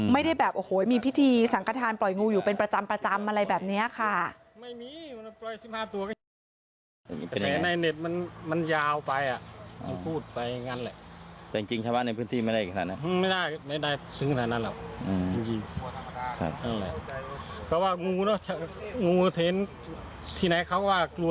ไม่ได้แบบโอ้โหมีพิธีสังขทานปล่อยงูอยู่เป็นประจำอะไรแบบนี้ค่ะ